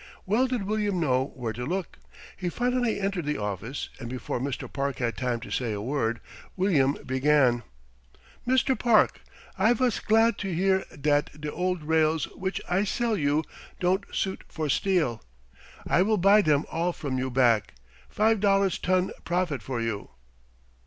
Well did William know where to look. He finally entered the office, and before Mr. Park had time to say a word William began: "Mr. Park, I vas glad to hear dat de old rails what I sell you don't suit for steel. I will buy dem all from you back, five dollars ton profit for you."